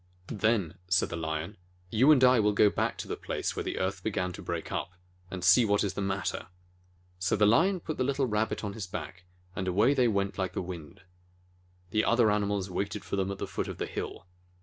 "Then," said the Lion, "you and I will go back to the place where the earth began to break up, and see what is the matter." 42 THE FOOLISH, TIMID RABBIT So the Lion put the little Rabbit on his back, and away they went like the wind. The other animals waited for them at the foot of the hill.